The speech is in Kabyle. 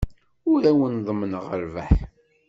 Ur awen-ḍemmneɣ rrbeḥ.